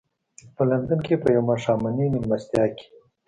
په لندن کې په یوه ماښامنۍ مېلمستیا کې.